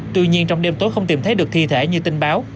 tuy nhiên trong đêm tối không tìm thấy được thi thể như tin báo